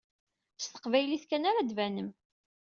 S teqbaylit kan ara ad tbanem.